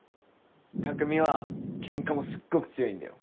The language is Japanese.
匠はケンカもすっごく強いんだよ。